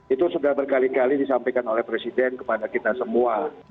itu sudah berkali kali disampaikan oleh presiden kepada kita semua